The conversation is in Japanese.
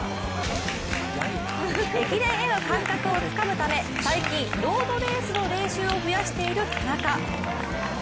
駅伝への感覚をつかむため、最近、ロードレースの練習を増やしている田中。